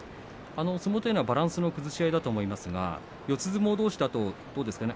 相撲はバランスの崩し合いだと思いますが四つ相撲どうしだとどうですか。